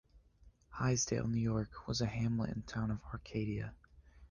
Hydesville, New York was a hamlet in the Town of Arcadia.